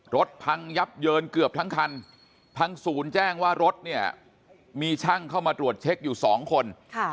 พังยับเยินเกือบทั้งคันทั้งศูนย์แจ้งว่ารถเนี่ยมีช่างเข้ามาตรวจเช็คอยู่สองคน